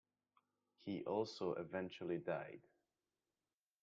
He also eventually died.